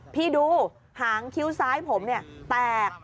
พี่ดูหางคิ้วซ้ายผมแตก